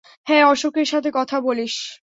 হ্যাঁ, অশোকের সাথে কথা বলিস?